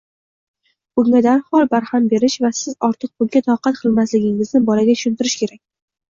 Bunga darhol barham berish va siz ortiq bunga toqat qilmasligingizni bolaga tushuntirish kerak.